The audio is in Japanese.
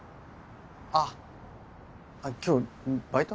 あっ今日バイト？